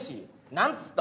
何つった？